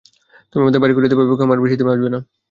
তুমি, আমদের বাইর কইরা দিবা, বেগম আর বেশিদিন বাঁচবে না।